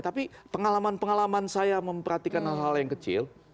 tapi pengalaman pengalaman saya memperhatikan hal hal yang kecil